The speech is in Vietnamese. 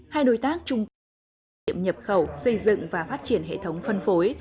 hai đối tác trung quốc đã kỳ kết biên bản nhập khẩu xây dựng và phát triển hệ thống phân phối